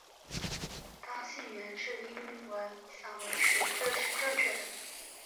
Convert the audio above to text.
当信源是英文散文时这是正确的。